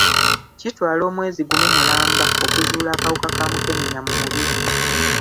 Kitwala omwezi gumu mulamba okuzuula akawuka ka mukenenya mu mubiri.